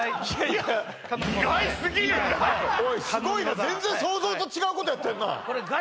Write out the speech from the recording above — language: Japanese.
すごいな全然想像と違うことやってんな